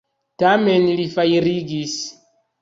Tamen, li fajrigis.